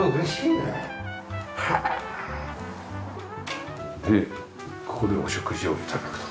でここでお食事を頂くと。